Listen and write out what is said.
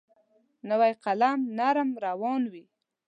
نوی قلم نرم روان وي.